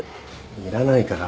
いらないから。